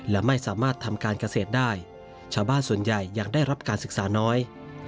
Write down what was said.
และไม่สามารถทำการเกษตรได้ชาวบ้านส่วนใหญ่ยังได้รับการศึกษาน้อย